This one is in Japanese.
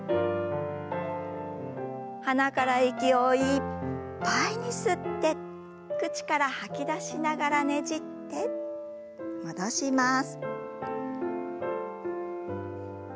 鼻から息をいっぱいに吸って口から吐き出しながらねじって戻します。